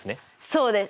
そうです。